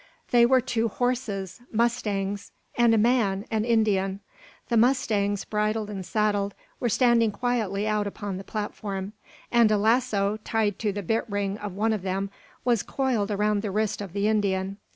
They were two horses, mustangs; and a man, an Indian. The mustangs, bridled and saddled, were standing quietly out upon the platform; and a lasso, tied to the bit ring of one of them, was coiled around the wrist of the Indian.